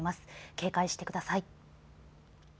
警戒してください。